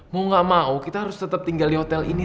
mau gak mau kita harus tetap tinggal di hotel ini